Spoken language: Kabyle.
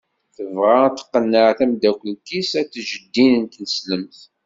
Tebɣa ad tqenneɛ tamdakelt-is ad teǧǧ ddin n tneslemt.